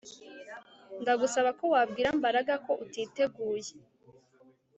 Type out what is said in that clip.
Ndagusaba ko wabwira Mbaraga ko utiteguye